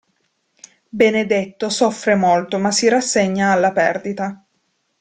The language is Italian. Benedetto soffre molto ma si rassegna alla perdita.